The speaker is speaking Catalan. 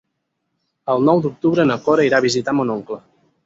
El nou d'octubre na Cora irà a visitar mon oncle.